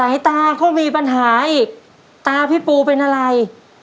สายตาก็มีปัญหาอีกตาพี่ปูเป็นอะไร